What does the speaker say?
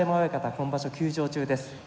今場所休場中です。